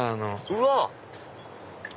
うわ！